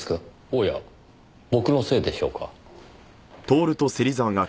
おや僕のせいでしょうか？